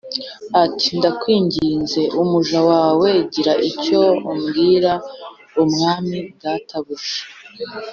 ati “Ndakwinginze, umuja wawe ngire icyo mbwira umwami databuja.”